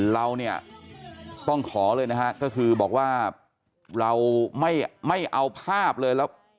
เราเนี่ยต้องขอเลยนะฮะก็คือบอกว่าเราไม่เอาภาพเลยแล้ว